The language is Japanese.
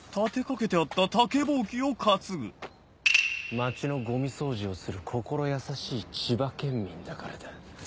街のゴミ掃除をする心優しい千葉県民だからだ。